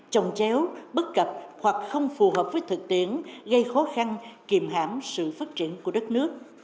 trồng chéo bất cập hoặc không phù hợp với thực tiễn gây khó khăn kìm hãm sự phát triển của đất nước